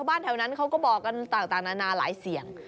การแถวนั้นบอกว่าต่างประมาณร้ายเสี่ยง